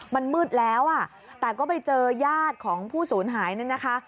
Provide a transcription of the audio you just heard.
มันมืดแล้วอ่ะแต่ก็ไปเจอญาติของผู้สูญหายเนี่ยนะคะ